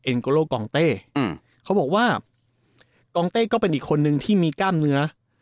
เอ็นโกโรกองเต้เขาบอกว่าอีกคนนึงที่มีก้ามเนื้อ